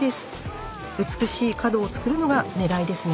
美しい角を作るのがねらいですね。